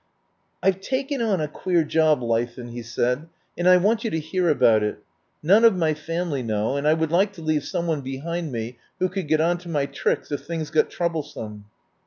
"I've taken on a queer job, Leithen," he said, "and I want you to hear about it. None of my family know, and I would like to leave some one behind me who could get on to my tracks if things got troublesome."